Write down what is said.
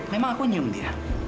memang aku nyium dia